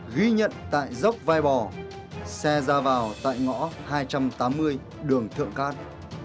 ghi nhận tại dốc vai bò xe ra vào tại ngõ hai trăm tám mươi đường thượng cát